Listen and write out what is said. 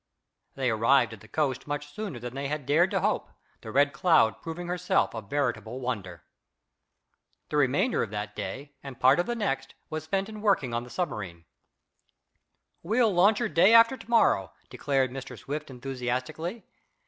They arrived at the coast much sooner than they had dared to hope, the Red Cloud proving herself a veritable wonder. The remainder of that day, and part of the next, was spent in working on the submarine. "We'll launch her day after to morrow," declared Mr. Swift enthusiastically.